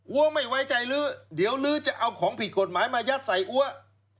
ไม่ไว้ใจลื้อเดี๋ยวลื้อจะเอาของผิดกฎหมายมายัดใส่อัว